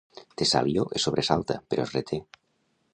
Tesalio es sobresalta, però es reté.